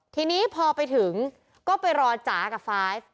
ทีนี้พอไปถึงก็ไปรอจ๋ากับไฟล์